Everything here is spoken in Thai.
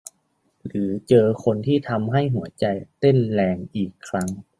หรือเจอคนที่ทำให้หัวใจเต้นแรงอีกครั้ง